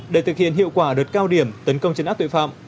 để thực hiện hiệu quả đợt cao điểm tấn công chấn áp tội phạm